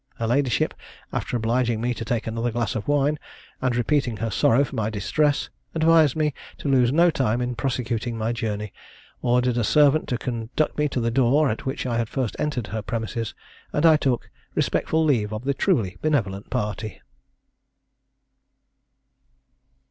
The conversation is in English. Her ladyship, after obliging me to take another glass of wine, and repeating her sorrow for my distress, advised me to lose no time in prosecuting my journey, ordered a servant to conduct me to the door at which I had first entered her premises, and I took a respectful leave of this truly benevolent party.